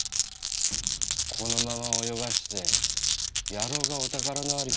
このまま泳がして野郎がお宝の在りかをつかんだら